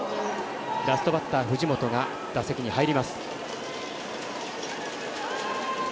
ラストバッター、藤本が打席に入ります。